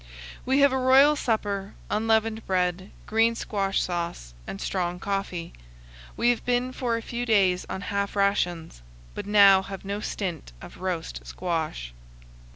We have a royal supper unleavened bread, green squash sauce, and strong coffee. We have been for a few days on half rations, but now have no stint of roast squash.